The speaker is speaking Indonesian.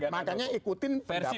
makanya ikutin pendapat saya